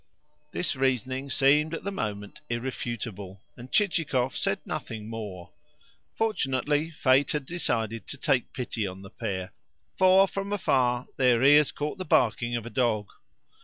This reasoning seemed, at the moment, irrefutable, and Chichikov said nothing more. Fortunately fate had decided to take pity on the pair, for from afar their ears caught the barking of a dog.